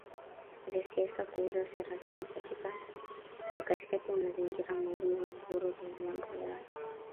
vya siasa kuuza sera zao katikati ya mazingira magumu ya uhuru wa vyombo vya